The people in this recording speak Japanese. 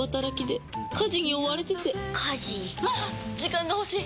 時間が欲しい！